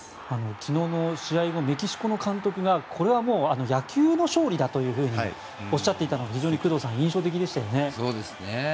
昨日の試合後メキシコの監督がこれはもう野球の勝利だとおっしゃっていたのが工藤さん、印象的でしたよね。